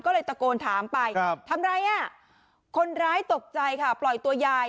ก็เลยตะโกนถามไปทำอะไรอ่ะคนร้ายตกใจค่ะปล่อยตัวยาย